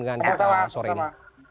dengan kita sore ini